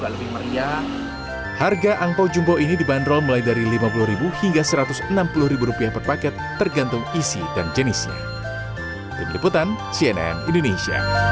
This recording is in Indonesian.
lampion ini menyebabkan penyakit